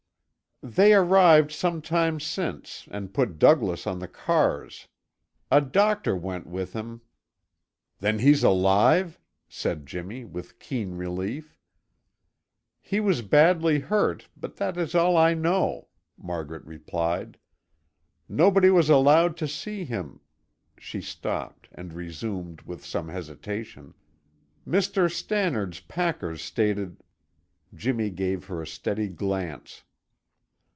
"They arrived some time since and put Douglas on the cars. A doctor went with him " "Then he's alive?" said Jimmy, with keen relief. "He was badly hurt, but that is all I know," Margaret replied. "Nobody was allowed to see him " She stopped and resumed with some hesitation: "Mr. Stannard's packers stated " Jimmy gave her a steady glance.